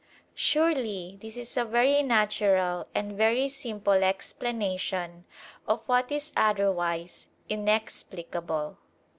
Surely this is a very natural and very simple explanation of what is otherwise inexplicable.